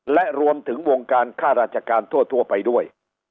และรวมถึงวงการค่าราชการทั่วไปด้วย